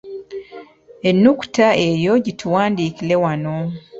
Ennukuta eyo gituwandiikire wano.